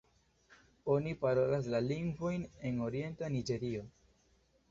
Oni parolas la lingvojn en orienta Niĝerio.